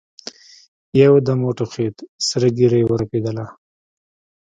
يودم وټوخېد سره ږيره يې ورپېدله.